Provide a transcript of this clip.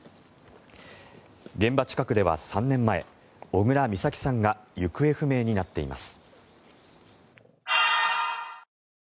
現場近くでは３年前小倉美咲さんが行方不明になっています。